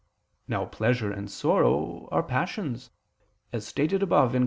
Now pleasure and sorrow are passions, as stated above (Q.